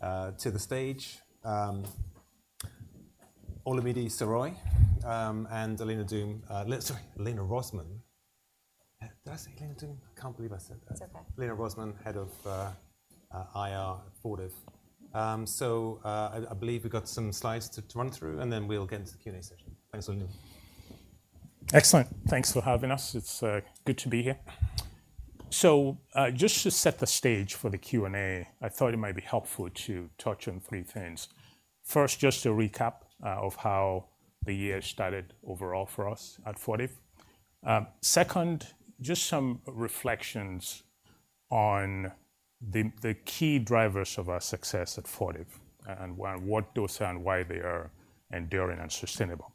To the stage, Olumide Soroye and Elena [Dume], sorry, Elena Rosman. Did I say Elena Dume? I can't believe I said that. It's okay. Elena Rosman, Head of IR at Fortive. I believe we've got some slides to run through, and then we'll get into the Q&A session. Thanks, Olumide. Excellent. Thanks for having us. It's good to be here. So, just to set the stage for the Q&A, I thought it might be helpful to touch on three things. First, just a recap of how the year started overall for us at Fortive. Second, just some reflections on the key drivers of our success at Fortive, and what those are, and why they are enduring and sustainable.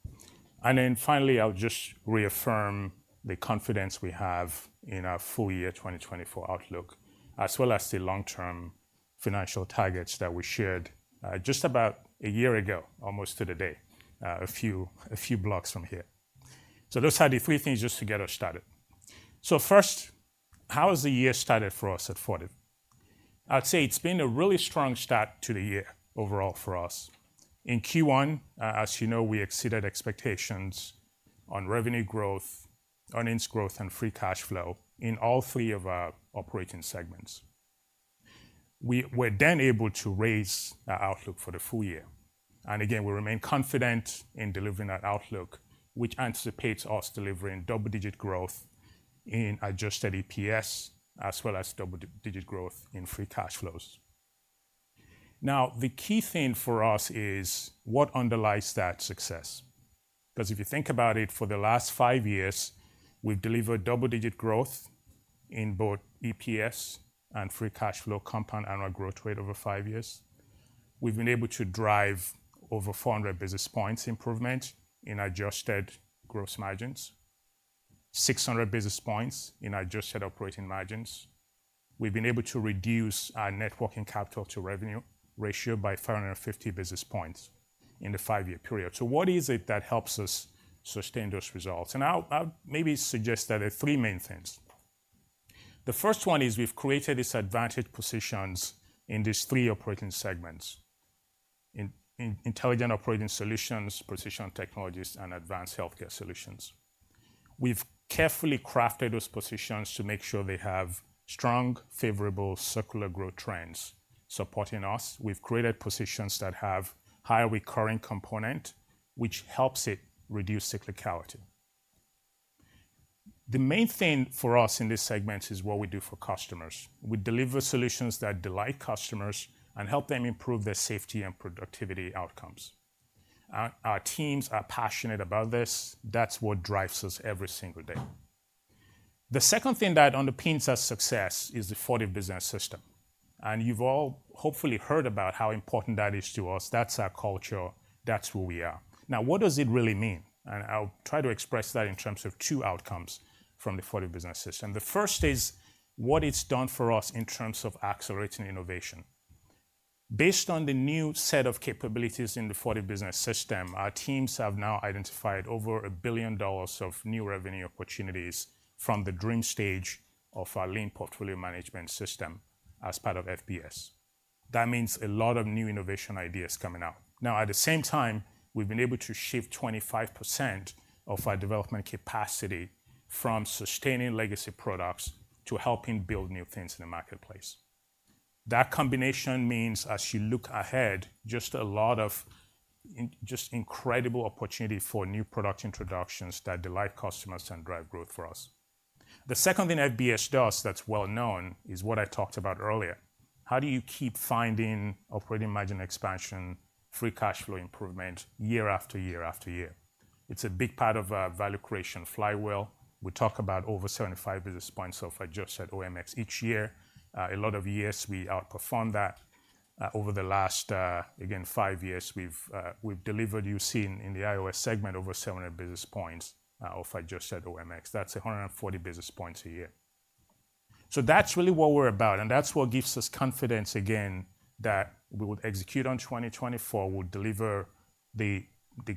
And then finally, I'll just reaffirm the confidence we have in our full-year 2024 outlook, as well as the long-term financial targets that we shared just about a year ago, almost to the day, a few blocks from here. So those are the three things just to get us started. So first, how has the year started for us at Fortive? I'd say it's been a really strong start to the year overall for us. In Q1, as you know, we exceeded expectations on revenue growth, earnings growth, and free cash flow in all three of our operating segments. We were then able to raise our outlook for the full year, and again, we remain confident in delivering that outlook, which anticipates us delivering double-digit growth in Adjusted EPS, as well as double-digit growth in free cash flows. Now, the key thing for us is what underlies that success? 'Cause if you think about it, for the last 5 years, we've delivered double-digit growth in both EPS and free cash flow compound annual growth rate over 5 years. We've been able to drive over 400 basis points improvement in adjusted gross margins, 600 basis points in adjusted operating margins. We've been able to reduce our net working capital to revenue ratio by 350 basis points in the 5-year period. So what is it that helps us sustain those results? And I'll, I'll maybe suggest that there are three main things. The first one is, we've created this advantage positions in these three operating segments: in, in Intelligent Operating Solutions, Precision Technologies, and Advanced Healthcare Solutions. We've carefully crafted those positions to make sure they have strong, favorable secular growth trends supporting us. We've created positions that have higher recurring component, which helps it reduce cyclicality. The main thing for us in this segment is what we do for customers. We deliver solutions that delight customers and help them improve their safety and productivity outcomes. Our, our teams are passionate about this. That's what drives us every single day. The second thing that underpins our success is the Fortive Business System, and you've all hopefully heard about how important that is to us. That's our culture. That's who we are. Now, what does it really mean? I'll try to express that in terms of two outcomes from the Fortive Business System. The first is what it's done for us in terms of accelerating innovation. Based on the new set of capabilities in the Fortive Business System, our teams have now identified over $1 billion of new revenue opportunities from the dream stage of our lean portfolio management system as part of FBS. That means a lot of new innovation ideas coming out. Now, at the same time, we've been able to shift 25% of our development capacity from sustaining legacy products to helping build new things in the marketplace. That combination means, as you look ahead, just a lot of just incredible opportunity for new product introductions that delight customers and drive growth for us. The second thing FBS does that's well known is what I talked about earlier: how do you keep finding operating margin expansion, free cash flow improvement, year after year after year? It's a big part of our value creation flywheel. We talk about over 75 basis points of adjusted OMX each year. A lot of years we outperformed that. Over the last, again, 5 years, we've delivered, you've seen in the IOS segment, over 700 basis points of adjusted OMX. That's 140 basis points a year. So that's really what we're about, and that's what gives us confidence, again, that we would execute on 2024. We'll deliver the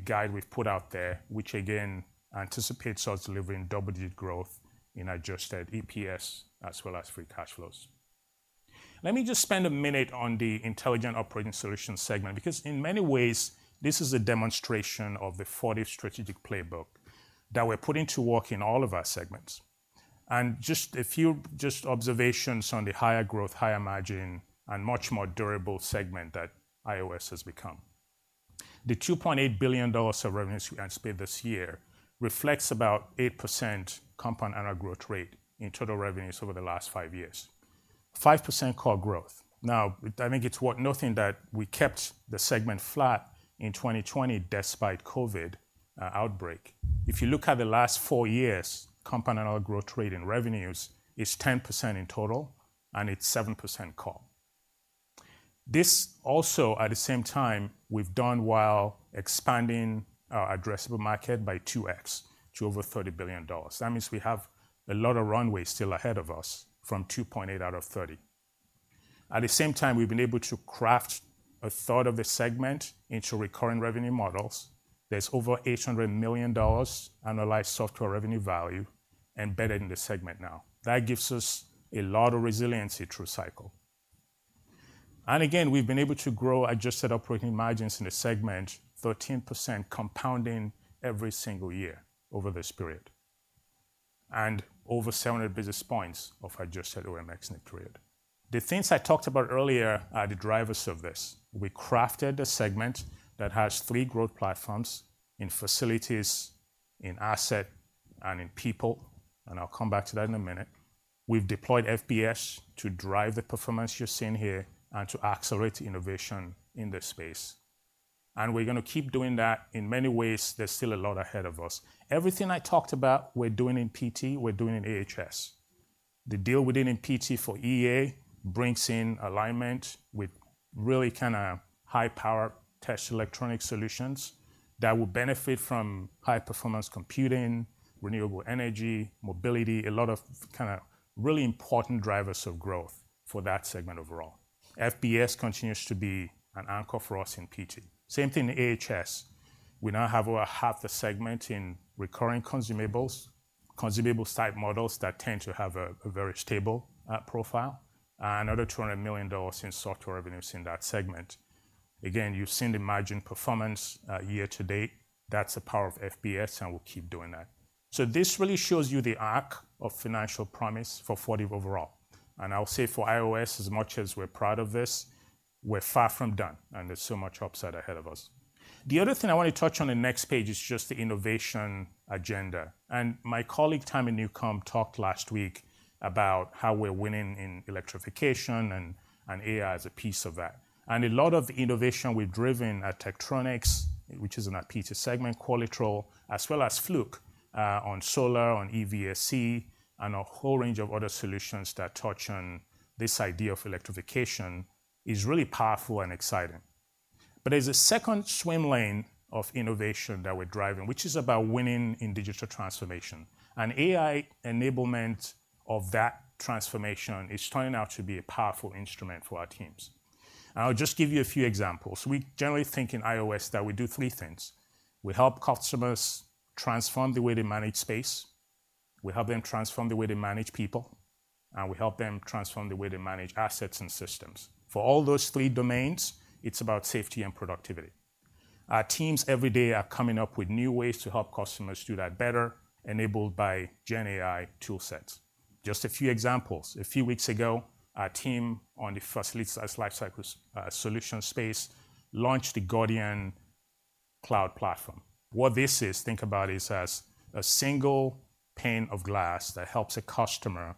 guide we've put out there, which again, anticipates us delivering double-digit growth in Adjusted EPS, as well as free cash flows. Let me just spend a minute on the Intelligent Operating Solution segment, because in many ways, this is a demonstration of the Fortive strategic playbook that we're putting to work in all of our segments. And just a few observations on the higher growth, higher margin, and much more durable segment that IOS has become. The $2.8 billion of revenues we anticipate this year reflects about 8% compound annual growth rate in total revenues over the last 5 years. 5% core growth. Now, I think it's worth noting that we kept the segment flat in 2020, despite COVID outbreak. If you look at the last four years, compound annual growth rate in revenues is 10% in total, and it's 7% core. This also, at the same time, we've done while expanding our addressable market by 2x to over $30 billion. That means we have a lot of runway still ahead of us from 2.8 out of 30. At the same time, we've been able to craft a third of the segment into recurring revenue models. There's over $800 million annualized software revenue value embedded in the segment now. That gives us a lot of resiliency through cycle. And again, we've been able to grow adjusted operating margins in the segment 13% compounding every single year over this period, and over 700 basis points of adjusted OMX net period. The things I talked about earlier are the drivers of this. We crafted a segment that has three growth platforms in facilities, in asset, and in people, and I'll come back to that in a minute. We've deployed FBS to drive the performance you're seeing here and to accelerate innovation in this space, and we're gonna keep doing that. In many ways, there's still a lot ahead of us. Everything I talked about, we're doing in PT, we're doing in AHS. The deal we did in PT for EA brings in alignment with really kinda high-power test electronic solutions that will benefit from high-performance computing, renewable energy, mobility, a lot of kinda really important drivers of growth for that segment overall. FBS continues to be an anchor for us in PT. Same thing in AHS. We now have over half the segment in recurring consumables, consumable-type models that tend to have a very stable profile, and another $200 million in software revenues in that segment. Again, you've seen the margin performance year to date. That's the power of FBS, and we'll keep doing that. So this really shows you the arc of financial promise for Fortive overall, and I'll say for IOS, as much as we're proud of this, we're far from done, and there's so much upside ahead of us. The other thing I want to touch on the next page is just the innovation agenda, and my colleague, Tami Newcombe, talked last week about how we're winning in electrification and AI as a piece of that. And a lot of the innovation we've driven at Tektronix, which is in our PT segment, Qualitrol, as well as Fluke, on solar, on EVSE, and a whole range of other solutions that touch on this idea of electrification, is really powerful and exciting. But there's a second swim lane of innovation that we're driving, which is about winning in digital transformation. And AI enablement of that transformation is turning out to be a powerful instrument for our teams. I'll just give you a few examples. We generally think in IOS that we do three things: We help customers transform the way they manage space, we help them transform the way they manage people, and we help them transform the way they manage assets and systems. For all those three domains, it's about safety and productivity. Our teams every day are coming up with new ways to help customers do that better, enabled by Gen AI tool sets. Just a few examples. A few weeks ago, our team on the facilities lifecycle solution space launched the Gordian Cloud Platform. What this is, think about it as a single pane of glass that helps a customer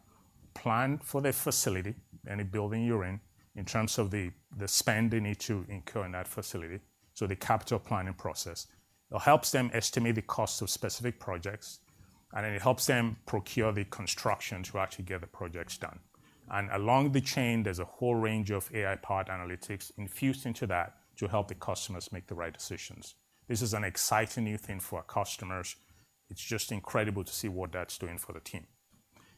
plan for their facility, any building you're in, in terms of the, the spend they need to incur in that facility, so the capital planning process. It helps them estimate the cost of specific projects, and it helps them procure the construction to actually get the projects done. And along the chain, there's a whole range of AI-powered analytics infused into that to help the customers make the right decisions. This is an exciting new thing for our customers. It's just incredible to see what that's doing for the team.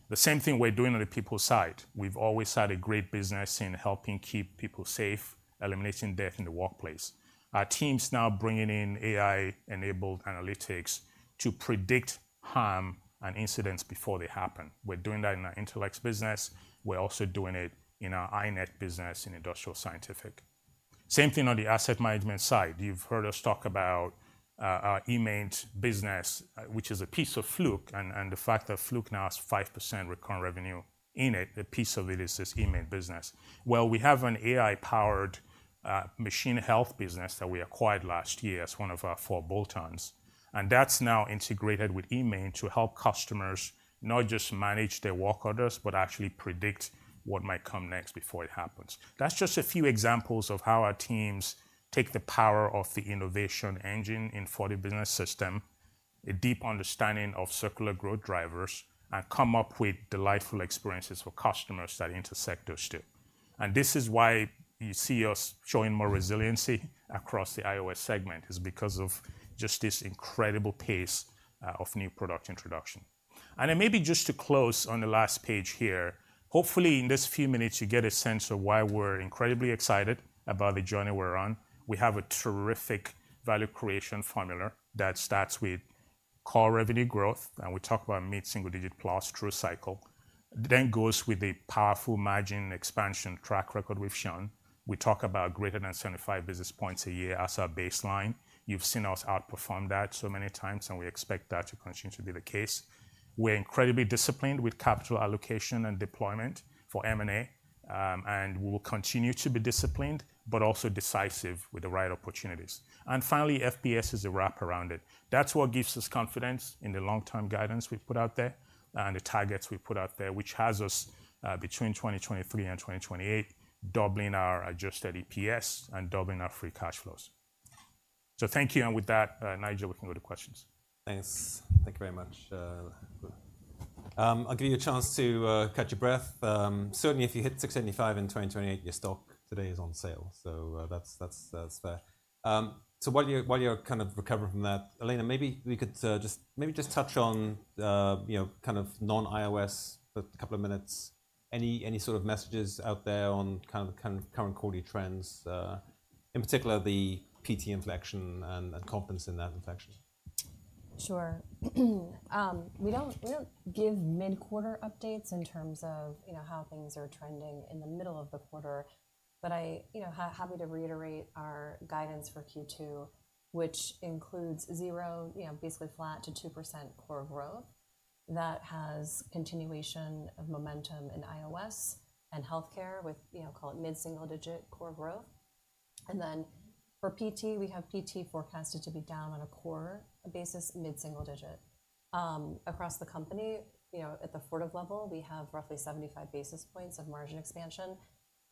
The same thing we're doing on the people side. We've always had a great business in helping keep people safe, eliminating death in the workplace. Our team's now bringing in AI-enabled analytics to predict harm and incidents before they happen. We're doing that in our Intelex business. We're also doing it in our iNet business in Industrial Scientific. Same thing on the asset management side. You've heard us talk about our eMaint business, which is a piece of Fluke, and the fact that Fluke now has 5% recurrent revenue in it, a piece of it is this eMaint business. Well, we have an AI-powered machine health business that we acquired last year as one of our four bolt-ons, and that's now integrated with eMaint to help customers not just manage their work orders, but actually predict what might come next before it happens. That's just a few examples of how our teams take the power of the innovation engine in Fortive Business System, a deep understanding of secular growth drivers, and come up with delightful experiences for customers that intersect those two. And this is why you see us showing more resiliency across the IOS segment, is because of just this incredible pace of new product introduction. And then maybe just to close on the last page here, hopefully, in this few minutes, you get a sense of why we're incredibly excited about the journey we're on. We have a terrific value creation formula that starts with core revenue growth, and we talk about mid-single digit plus through cycle. It then goes with a powerful margin expansion track record we've shown. We talk about greater than 75 basis points a year as our baseline. You've seen us outperform that so many times, and we expect that to continue to be the case. We're incredibly disciplined with capital allocation and deployment for M&A, and we will continue to be disciplined, but also decisive with the right opportunities. And finally, FBS is a wrap around it. That's what gives us confidence in the long-term guidance we've put out there and the targets we've put out there, which has us, between 2023 and 2028, doubling our Adjusted EPS and doubling our free cash flows. So thank you, and with that, Nigel, we can go to questions. Thanks. Thank you very much, Olu. I'll give you a chance to catch your breath. Certainly, if you hit $675 in 2028, your stock today is on sale, so that's fair. So while you're kind of recovering from that, Elena, maybe we could just maybe just touch on, you know, kind of non-IOS for a couple of minutes. Any sort of messages out there on kind of current quarterly trends in particular, the PT inflection and confidence in that inflection? Sure. We don't, we don't give mid-quarter updates in terms of, you know, how things are trending in the middle of the quarter. But I, you know, happy to reiterate our guidance for Q2, which includes 0%, you know, basically flat to 2% core growth. That has continuation of momentum in IOS and healthcare with, you know, call it mid-single digit core growth. And then for PT, we have PT forecasted to be down on a core basis, mid-single digit. Across the company, you know, at the Fortive level, we have roughly 75 basis points of margin expansion.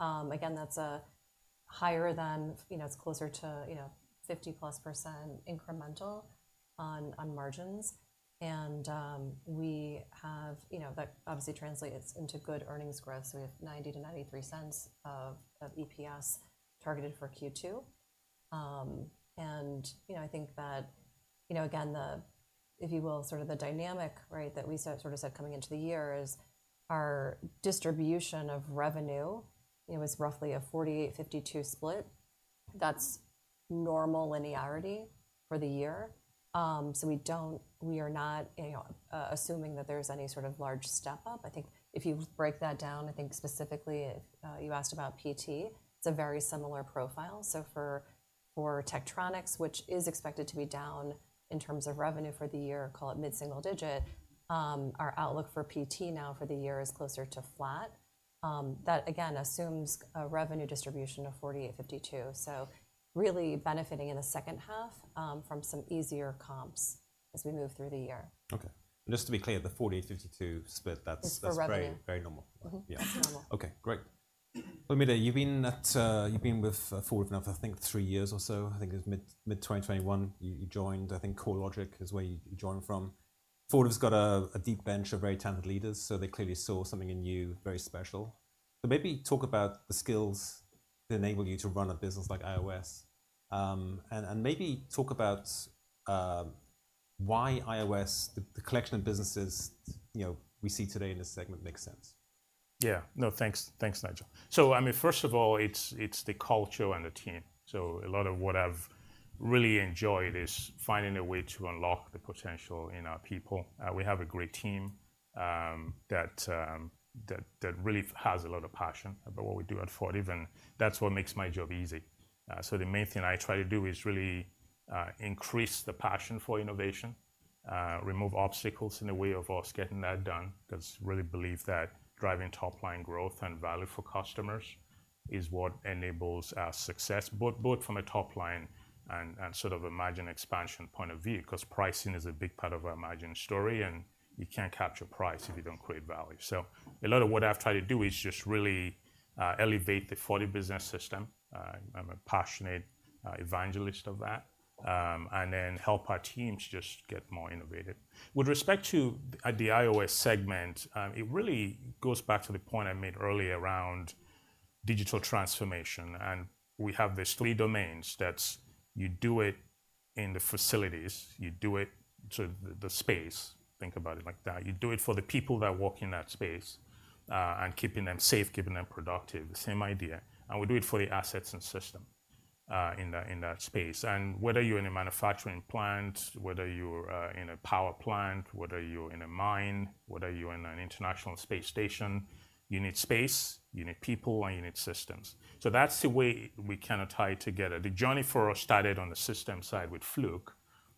Again, that's higher than. You know, it's closer to, you know, 50%+ incremental on margins. And we have. You know, that obviously translates into good earnings growth. So we have $0.90-$0.93 of EPS targeted for Q2. And, you know, I think that, you know, again, the, if you will, sort of the dynamic, right, that we sort of said coming into the year is our distribution of revenue, you know, is roughly a 48-52 split. That's normal linearity for the year. So we don't—we are not, you know, assuming that there's any sort of large step up. I think if you break that down, I think specifically, you asked about PT, it's a very similar profile. So for Tektronix, which is expected to be down in terms of revenue for the year, call it mid-single digit, our outlook for PT now for the year is closer to flat. That again assumes a revenue distribution of 48-52. So really benefiting in the second half, from some easier comps as we move through the year. Okay. And just to be clear, the 48-52 split, that's- Is for revenue. Very, very normal. Mm-hmm. Yeah. Normal. Okay, great. Olumide, you've been at Fortive now for, I think, three years or so. I think it was mid-2021, you joined. I think CoreLogic is where you joined from. Fortive's got a deep bench of very talented leaders, so they clearly saw something in you very special. So maybe talk about the skills that enabled you to run a business like IOS, and maybe talk about why IOS, the collection of businesses, you know, we see today in this segment makes sense. Yeah. No, thanks. Thanks, Nigel. So I mean, first of all, it's the culture and the team. So a lot of what I've really enjoyed is finding a way to unlock the potential in our people. We have a great team that really has a lot of passion about what we do at Fortive, and that's what makes my job easy. So the main thing I try to do is really increase the passion for innovation, remove obstacles in the way of us getting that done, because really believe that driving top-line growth and value for customers is what enables our success, both from a top-line and sort of a margin expansion point of view, because pricing is a big part of our margin story, and you can't capture price if you don't create value. So a lot of what I've tried to do is just really elevate the Fortive Business System. I'm a passionate evangelist of that, and then help our teams just get more innovative. With respect to the IOS segment, it really goes back to the point I made earlier around digital transformation, and we have these three domains that you do it in the facilities, you do it to the space. Think about it like that. You do it for the people that work in that space, and keeping them safe, keeping them productive, the same idea. And we do it for the assets and system, in that space. And whether you're in a manufacturing plant, whether you're in a power plant, whether you're in a mine, whether you're in an international space station, you need space, you need people, and you need systems. So that's the way we kind of tie it together. The journey for us started on the system side with Fluke,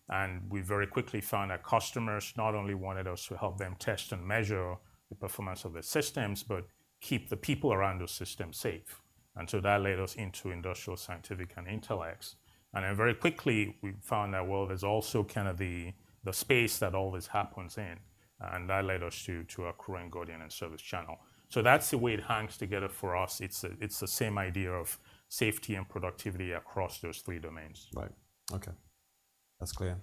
and we very quickly found that customers not only wanted us to help them test and measure the performance of their systems, but keep the people around those systems safe. And so that led us into Industrial Scientific, and Intelex. And then very quickly, we found that, well, there's also kind of the space that all this happens in, and that led us to acquiring Gordian and ServiceChannel. So that's the way it hangs together for us. It's the same idea of safety and productivity across those three domains. Right. Okay, that's clear.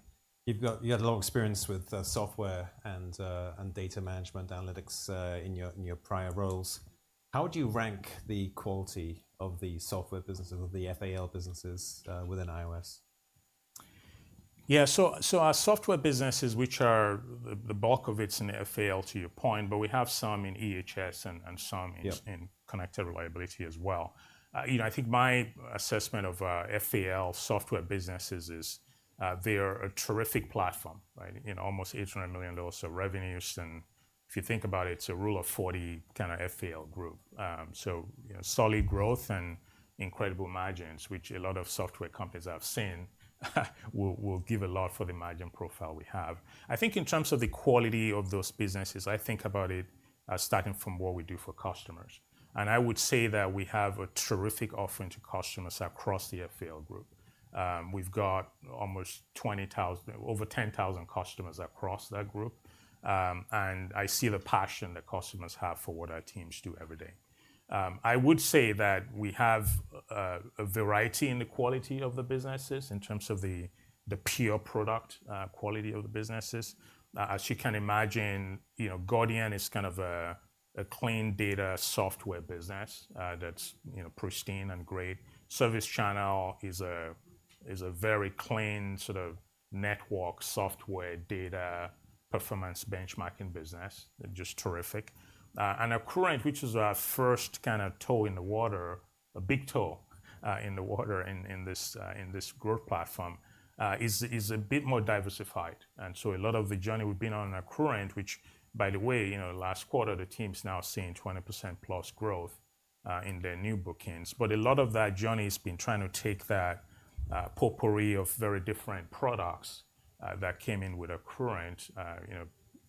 You've got- you had a lot of experience with, software and, and data management analytics, in your, in your prior roles. How would you rank the quality of the software businesses, of the FAL businesses, within IOS? Yeah. So, so our software businesses, which are the, the bulk of it's in FAL, to your point, but we have some in EHS and, and some in- Yeah... in connected reliability as well. You know, I think my assessment of FAL software businesses is they are a terrific platform, right? In almost $800 million of revenues, and if you think about it, it's a Rule of 40 kind of FAL group. So, you know, solid growth and incredible margins, which a lot of software companies I've seen will give a lot for the margin profile we have. I think in terms of the quality of those businesses, I think about it as starting from what we do for customers. And I would say that we have a terrific offering to customers across the FAL group. We've got almost 20,000- over 10,000 customers across that group. And I see the passion that customers have for what our teams do every day. I would say that we have a variety in the quality of the businesses, in terms of the pure product quality of the businesses. As you can imagine, you know, Gordian is kind of a clean data software business, that's, you know, pristine and great. ServiceChannel is a very clean sort of network, software, data, performance benchmarking business, and just terrific. And Accruent, which is our first kind of toe in the water, a big toe in the water in this growth platform, is a bit more diversified. And so a lot of the journey we've been on Accruent, which by the way, you know, last quarter, the team's now seeing 20%+ growth in their new bookings. But a lot of that journey has been trying to take that, potpourri of very different products, that came in with Accruent, you know,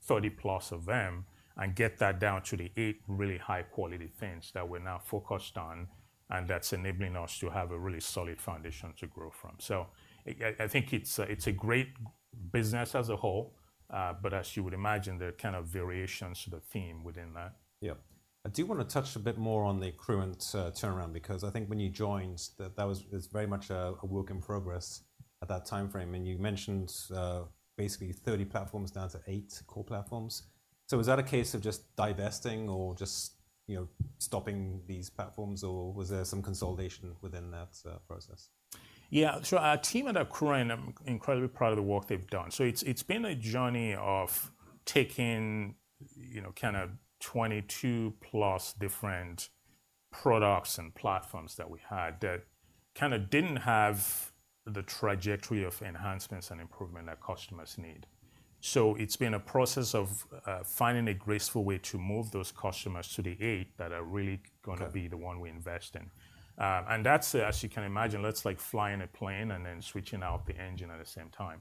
30+ of them, and get that down to the eight really high-quality things that we're now focused on, and that's enabling us to have a really solid foundation to grow from. So I, I think it's a, it's a great business as a whole, but as you would imagine, there are kind of variations to the theme within that. Yeah. I do wanna touch a bit more on the Accruent turnaround, because I think when you joined, that was. It's very much a work in progress at that time frame. And you mentioned basically 30 platforms down to eight core platforms. So is that a case of just divesting or just, you know, stopping these platforms, or was there some consolidation within that process? Yeah. So our team at Accruent, I'm incredibly proud of the work they've done. So it's, it's been a journey of taking, you know, kind of 22+ different products and platforms that we had, that kind of didn't have the trajectory of enhancements and improvement that customers need. So it's been a process of finding a graceful way to move those customers to the 8 that are really gonna be the one we invest in. And that's, as you can imagine, that's like flying a plane and then switching out the engine at the same time.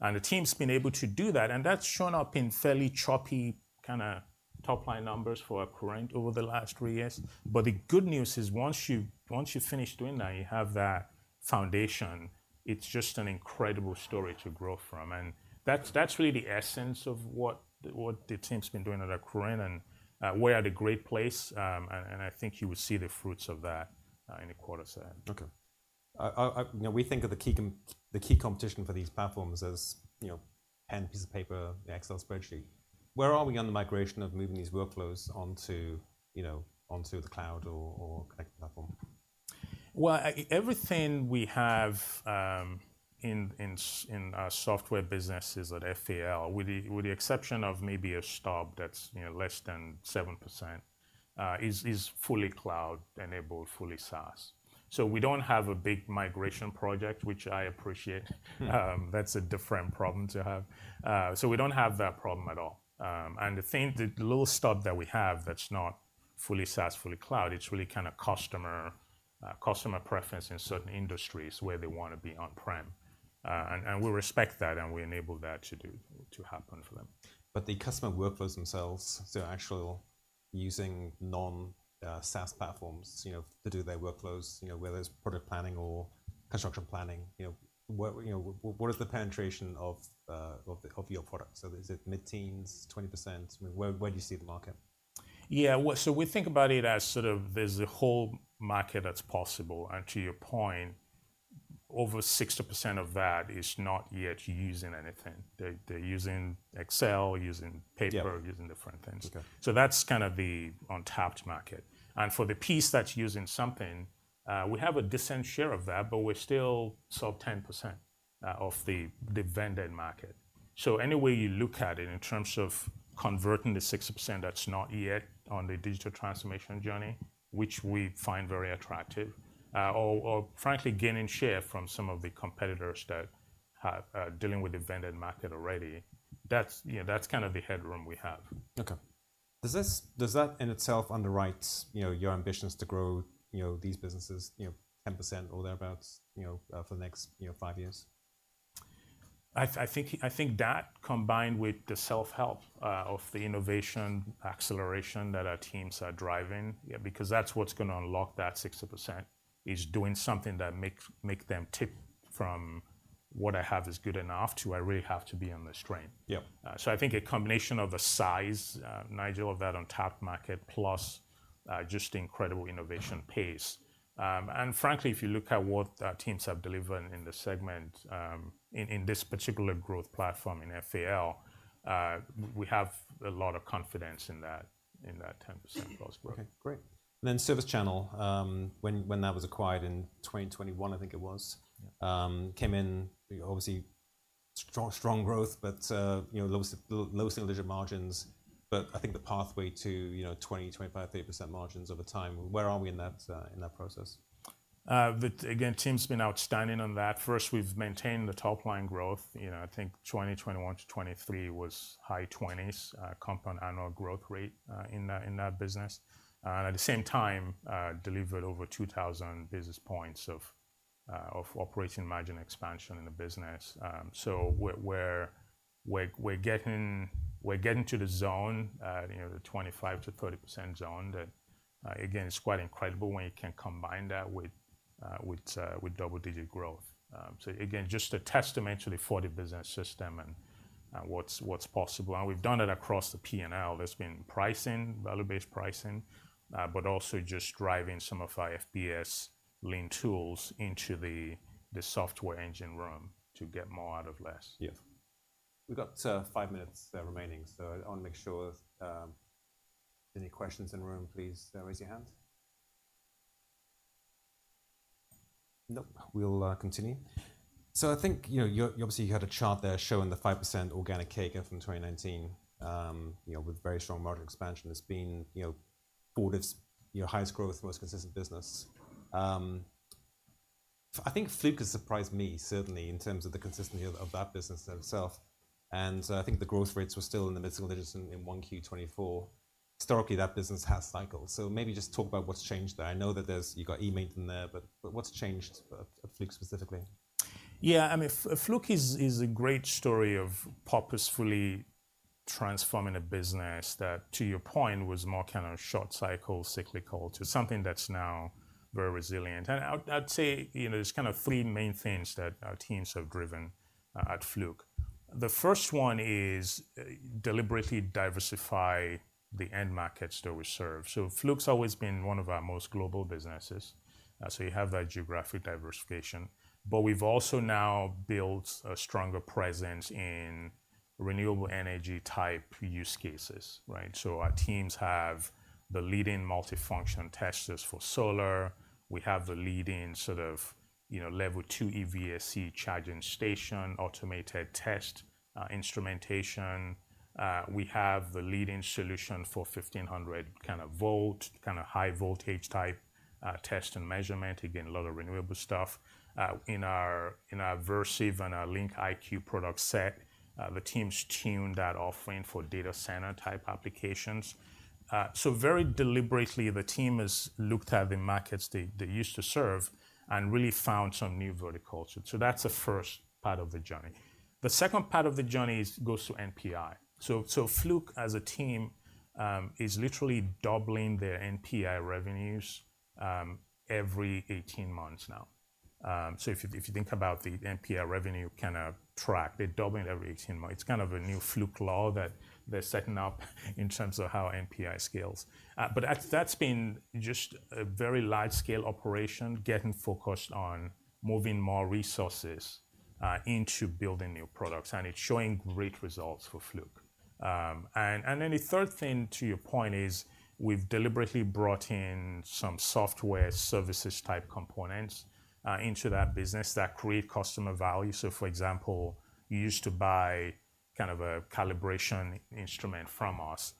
And the team's been able to do that, and that's shown up in fairly choppy kind of top-line numbers for Accruent over the last three years. But the good news is, once you, once you've finished doing that, you have that foundation, it's just an incredible story to grow from. And that's really the essence of what the team's been doing at Accruent. And, we're at a great place, and I think you will see the fruits of that, in the quarter, sir. Okay. You know, we think of the key competition for these platforms as, you know, pen and piece of paper, the Excel spreadsheet. Where are we on the migration of moving these workflows onto, you know, onto the cloud or connected platform? Well, everything we have in our software businesses at FAL, with the exception of maybe a stub that's, you know, less than 7%, is fully cloud-enabled, fully SaaS. So we don't have a big migration project, which I appreciate. Mm. That's a different problem to have. So we don't have that problem at all. And the thing, the little stub that we have that's not fully SaaS, fully cloud, it's really kind of customer, customer preference in certain industries where they wanna be on-prem. And we respect that, and we enable that to happen for them. But the customer workflows themselves, so actual using non SaaS platforms, you know, to do their workflows, you know, whether it's product planning or construction planning, you know, what, you know, what, what is the penetration of of your product? So is it mid-teens, 20%? Where do you see the market? Yeah. Well, so we think about it as sort of there's a whole market that's possible, and to your point, over 60% of that is not yet using anything. They're using Excel, using paper- Yeah... using different things. Okay. That's kind of the untapped market. For the piece that's using something, we have a decent share of that, but we're still sub 10%, of the vended market. Any way you look at it, in terms of converting the 60% that's not yet on the digital transformation journey, which we find very attractive, or frankly, gaining share from some of the competitors that are dealing with the vended market already, that's, you know, that's kind of the headroom we have. Okay. Does that in itself underwrite, you know, your ambitions to grow, you know, these businesses, you know, 10% or thereabouts, you know, for the next, you know, five years? I think that, combined with the self-help of the innovation acceleration that our teams are driving, yeah, because that's what's gonna unlock that 60%, is doing something that make them tip from what I have is good enough, to I really have to be on this train. Yeah. So I think a combination of the size, Nigel, of that untapped market, plus, just incredible innovation pace. And frankly, if you look at what our teams have delivered in the segment, in this particular growth platform in FAL, we have a lot of confidence in that 10%+ growth. Okay, great. Then ServiceChannel, when that was acquired in 2021, I think it was- Yeah... came in obviously strong, strong growth, but, you know, low, low single-digit margins. But I think the pathway to, you know, 20%, 25%, 30% margins over time, where are we in that, in that process? The team's been outstanding on that. First, we've maintained the top-line growth. You know, I think 2021 to 2023 was high 20s compound annual growth rate in that business. At the same time, delivered over 2,000 basis points of operating margin expansion in the business. So we're getting to the zone, you know, the 25%-30% zone. That again, it's quite incredible when you can combine that with double-digit growth. So again, just a testament to the Fortive Business System and what's possible. And we've done it across the P&L. There's been pricing, value-based pricing, but also just driving some of our FBS lean tools into the software engine room to get more out of less. Yeah. We've got 5 minutes remaining, so I want to make sure any questions in the room, please, raise your hands. Nope, we'll continue. So I think, you know, you obviously you had a chart there showing the 5% organic growth from 2019, you know, with very strong margin expansion. It's been, you know, Fortive's, you know, highest growth, most consistent business. I think Fluke has surprised me certainly in terms of the consistency of that business itself, and I think the growth rates were still in the mid-single digits in 1Q 2024. Historically, that business has cycled, so maybe just talk about what's changed there. I know that there's you got eMaint there, but what's changed at Fluke specifically? Yeah, I mean, Fluke is a great story of purposefully transforming a business that, to your point, was more kind of short cycle, cyclical, to something that's now very resilient. And I'd say, you know, there's kind of three main things that our teams have driven at Fluke. The first one is deliberately diversify the end markets that we serve. So Fluke's always been one of our most global businesses, so you have that geographic diversification, but we've also now built a stronger presence in renewable energy type use cases, right? So our teams have the leading multifunction testers for solar. We have the leading sort of, you know, level two EVSE charging station, automated test instrumentation. We have the leading solution for 1,500 kind of volt, kind of high voltage type test and measurement. Again, a lot of renewable stuff, in our, in our Versiv and our LinkIQ product set. The team's tuned that offering for data center type applications. So very deliberately, the team has looked at the markets they, they used to serve and really found some new verticals. So that's the first part of the journey. The second part of the journey is, goes to NPI. So, so Fluke, as a team, is literally doubling their NPI revenues, every 18 months now. So if you, if you think about the NPI revenue kind of track, they're doubling every 18 months. It's kind of a new Fluke law that they're setting up in terms of how NPI scales. But that's been just a very large-scale operation, getting focused on moving more resources into building new products, and it's showing great results for Fluke. And then the third thing, to your point, is we've deliberately brought in some software services type components into that business that create customer value. So, for example, you used to buy kind of a calibration instrument from us.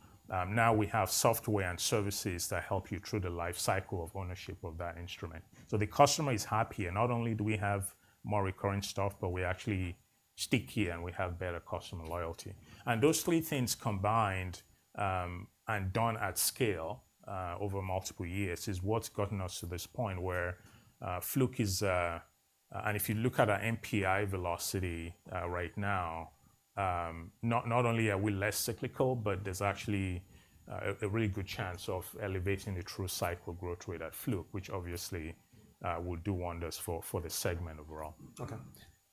Now we have software and services that help you through the life cycle of ownership of that instrument. So the customer is happier. Not only do we have more recurring stuff, but we actually stickier, and we have better customer loyalty. And those three things combined, and done at scale, over multiple years, is what's gotten us to this point where Fluke is... If you look at our NPI velocity right now, not only are we less cyclical, but there's actually a really good chance of elevating the through-cycle growth rate at Fluke, which obviously will do wonders for the segment overall. Okay,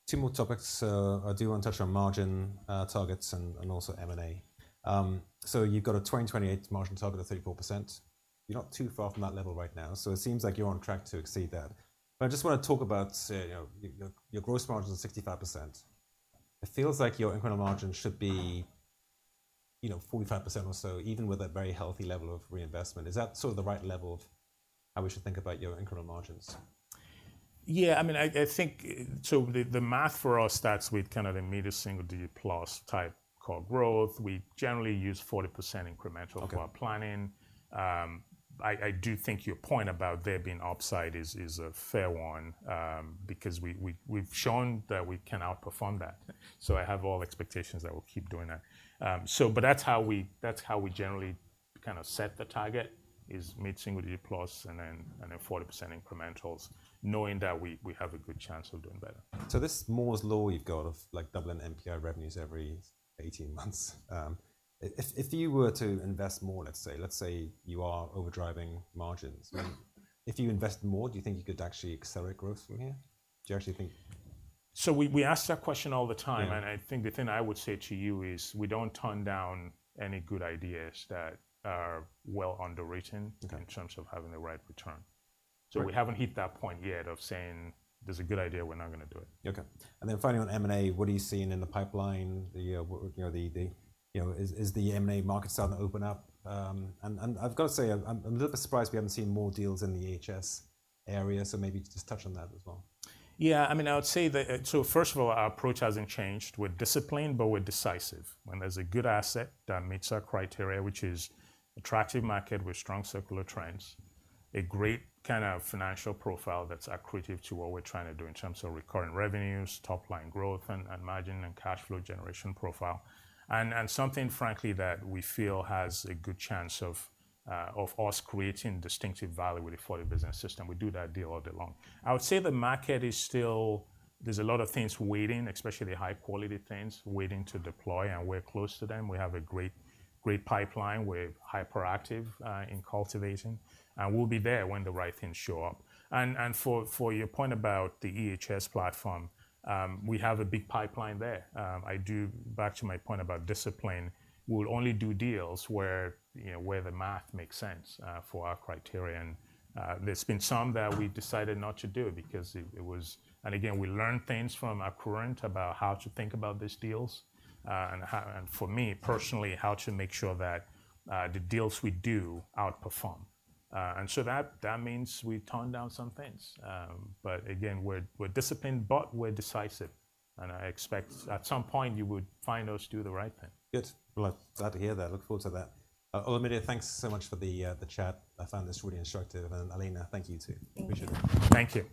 two more topics. I do want to touch on margin targets and also M&A. So you've got a 2028 margin target of 34%. You're not too far from that level right now, so it seems like you're on track to exceed that. But I just want to talk about, say, you know, your gross margin is 65%. It feels like your incremental margin should be, you know, 45% or so, even with a very healthy level of reinvestment. Is that sort of the right level of how we should think about your incremental margins? Yeah, I mean, I think... So the math for us starts with kind of a mid-single-digit plus type core growth. We generally use 40% incremental- Okay. -for our planning. I do think your point about there being upside is a fair one, because we've shown that we can outperform that. So I have all expectations that we'll keep doing that. So but that's how we generally kind of set the target, is mid-single digit plus and then 40% incrementals, knowing that we have a good chance of doing better. So this Moore's Law you've got of, like, doubling NPI revenues every 18 months, if you were to invest more, let's say, let's say you are overdriving margins- Mm. If you invest more, do you think you could actually accelerate growth from here? Do you actually think...? So we ask that question all the time- Yeah. I think the thing I would say to you is we don't turn down any good ideas that are well underwritten. Okay... in terms of having the right return. Great. We haven't hit that point yet of saying, "This is a good idea, we're not going to do it. Okay. And then finally, on M&A, what are you seeing in the pipeline? Is the M&A market starting to open up? And I've got to say, I'm a little bit surprised we haven't seen more deals in the EHS area, so maybe just touch on that as well. Yeah, I mean, I would say that, so first of all, our approach hasn't changed. We're disciplined, but we're decisive. When there's a good asset that meets our criteria, which is attractive market with strong secular trends, a great kind of financial profile that's accretive to what we're trying to do in terms of recurring revenues, top-line growth and, and margin and cash flow generation profile, and, and something frankly that we feel has a good chance of, of us creating distinctive value with a Fortive Business System, we do that deal all day long. I would say the market is still... There's a lot of things waiting, especially high-quality things, waiting to deploy, and we're close to them. We have a great, great pipeline. We're hyperactive, in cultivation, and we'll be there when the right things show up. For your point about the EHS platform, we have a big pipeline there. Back to my point about discipline, we'll only do deals where, you know, where the math makes sense for our criteria. And there's been some that we've decided not to do because it was— And again, we learn things from Accruent about how to think about these deals and how, for me, personally, how to make sure that the deals we do outperform. And so that means we turn down some things. But again, we're disciplined, but we're decisive, and I expect at some point you would find us do the right thing. Good. Well, I'm glad to hear that. Look forward to that. Olumide, thanks so much for the chat. I found this really instructive. And Elena, thank you, too. Thank you. Thank you.